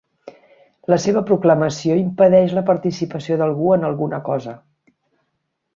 La seva proclamació impedeix la participació d'algú en alguna cosa.